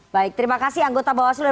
baik terima kasih anggota bawaslu